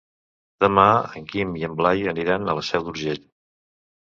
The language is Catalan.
Demà en Guim i en Blai aniran a la Seu d'Urgell.